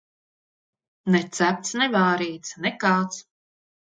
Ne cepts, ne vārīts. Nekāds.